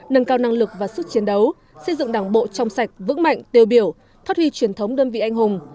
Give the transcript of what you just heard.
nâng cao năng lực và sức chiến đấu xây dựng đảng bộ trong sạch vững mạnh tiêu biểu phát huy truyền thống đơn vị anh hùng